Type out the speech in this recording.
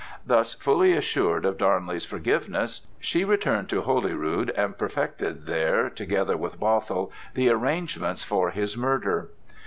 Thus fully assured of Darnley's forgiveness, she returned to Holyrood and perfected there, together with Bothwell, the arrangements for his murder.